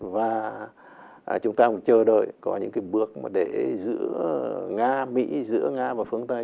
và chúng ta cũng chờ đợi có những cái bước để giữa nga mỹ giữa nga và phương tây